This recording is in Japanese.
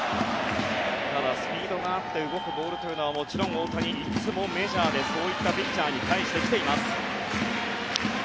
ただ、スピードがあって動くボールというのはもちろん大谷いつもメジャーでそういったピッチャーに対してきています。